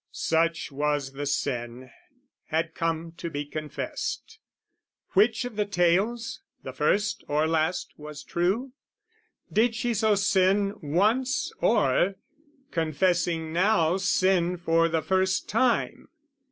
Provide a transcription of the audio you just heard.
Such was the sin had come to be confessed. Which of the tales, the first or last, was true? Did she so sin once, or, confessing now, Sin for the first time?